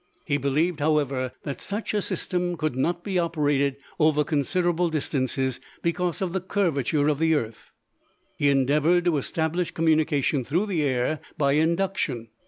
He believed, however, that such a system could not be operated over considerable distances because of the curvature of the earth. He endeavored to establish communication through the air by induction.